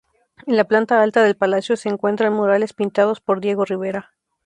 En la planta alta del palacio se encuentran murales pintados por Diego Rivera.